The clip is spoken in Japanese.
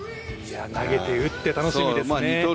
投げて打って楽しみですね。